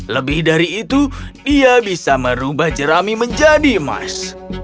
lebih dari itu dia bisa merubah jerami menjadi emas